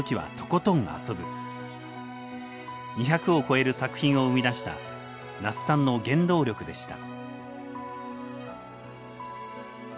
２００を超える作品を生み出した那須さんの原動力でした。